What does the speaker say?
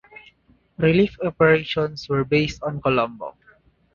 Relief operations were based in Colombo.